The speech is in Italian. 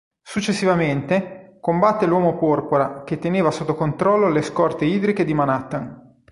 Successivamente, combatte l'Uomo Porpora che teneva sotto controllo le scorte idriche di Manhattan.